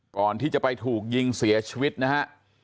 ก่อนที่จะไปถูกยิงเสียชีวิตนะฮะ